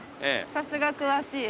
さすが詳しい。